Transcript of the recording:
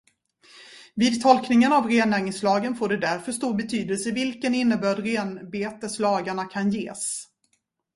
Vid tolkningen av rennäringslagen får det därför stor betydelse vilken innebörd renbeteslagarna kan ges.